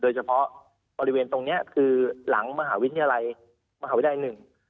เฉพาะบริเวณตรงเนี้ยคือหลังมหาวิทยาลัยมหาวิทยาลัยหนึ่ง